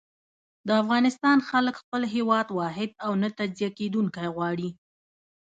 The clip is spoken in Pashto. د افغانستان خلک خپل هېواد واحد او نه تجزيه کېدونکی غواړي.